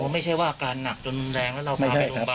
ไม่ใช่ว่าอาการหนักจนแรงแล้วเราพาไปโรงพยาบาล